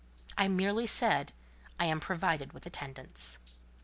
I merely said:—"I am provided with attendance."